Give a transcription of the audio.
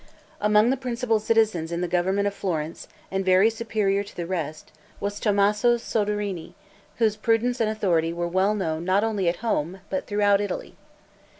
Among the principal citizens in the government of Florence, and very superior to the rest, was Tommaso Soderini, whose prudence and authority were well known not only at home, but throughout Italy.